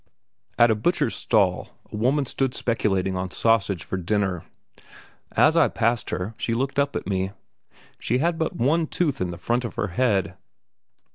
At a butcher's stall a woman stood speculating on sausage for dinner. As I passed her she looked up at me. She had but one tooth in the front of her head.